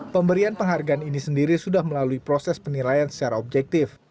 pemberian penghargaan ini sendiri sudah melalui proses penilaian secara objektif